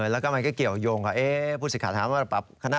รัฐมนตรีรัฐธรรมนูน